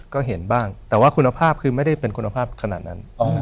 ก็เห็นบ้างแต่ว่าคุณภาพคือไม่ได้เป็นคุณภาพขนาดนั้น